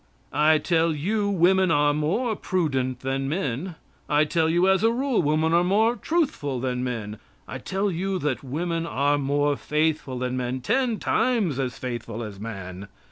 I tell you women are more prudent than men. I tell you, as a rule, women are more truthful than men. I tell you that women are more faithful than men ten times as faithful as man.